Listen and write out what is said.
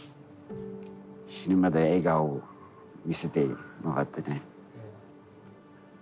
死ぬまで笑顔を見せてもらってね。